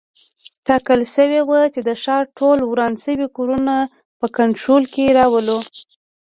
ټاکل شوي وه چې د ښار ټول وران شوي کورونه په کنټرول کې راولو.